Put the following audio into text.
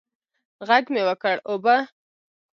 ږغ مې وکړ اوبه.